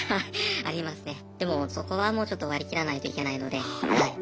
でもそこはもうちょっと割り切らないといけないのではい。